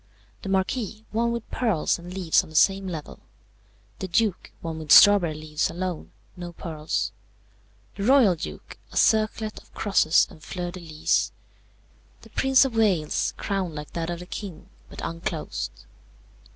The Marquis, one with pearls and leaves on the same level. The Duke, one with strawberry leaves alone no pearls. The Royal Duke, a circlet of crosses and fleurs de lys. The Prince of Wales, crown like that of the King, but unclosed.